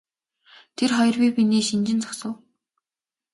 Тэр хоёр бие биенээ шинжин зогсов.